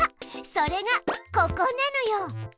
それがここなのよ。